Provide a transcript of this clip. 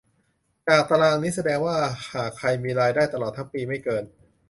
จากตารางนี้แสดงว่าหากใครมีรายได้ตลอดทั้งปีไม่เกิน